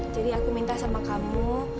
jadi aku minta sama kamu